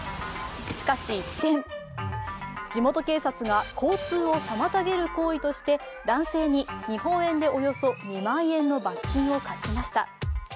しかし、一転、地元警察が交通を妨げる行為として男性に、日本円でおよそ２万円の罰金を科しました。